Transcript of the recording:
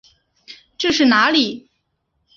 这是哪里？